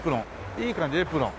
いい感じエプロン。